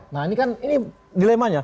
nah ini kan dilemanya